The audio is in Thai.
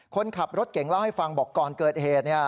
คนขับรถเก่งเล่าให้ฟังบอกก่อนเกิดเหตุ